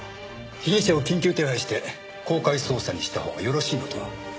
被疑者を緊急手配して公開捜査にしたほうがよろしいのでは？